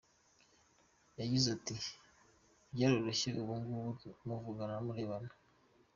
Yagize ati “Byaroroshye ubu ng’ubu muvugana murebana.